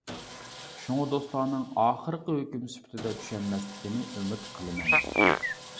شۇڭا دوستلارنىڭ ئاخىرقى ھۆكۈم سۈپىتىدە چۈشەنمەسلىكىنى ئۈمىد قىلىمەن.